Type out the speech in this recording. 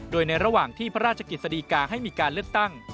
โดยในระหว่างที่พระราชกิจสดีกาให้มีการเลือกตั้ง